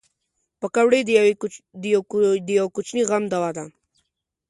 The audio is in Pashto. پکورې د یوه کوچني غم دوا ده